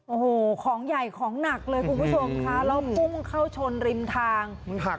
โอ้โหของใหญ่ของหนักเลยทุกคนนะคะแล้วมึงมึงเข้าชนริมทาง